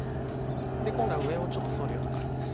で今度は上をちょっと反るような感じです。